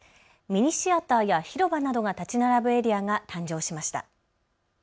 ミニシアターや広場などが建ち並ぶエリアが誕生しました。